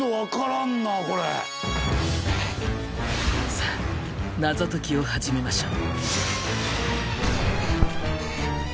さあ謎解きを始めましょう。